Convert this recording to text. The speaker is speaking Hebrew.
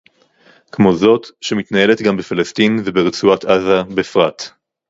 כמו זאת שמתנהלת גם בפלסטין וברצועת-עזה בפרט